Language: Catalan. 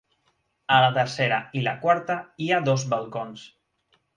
A la tercera i la quarta hi ha dos balcons.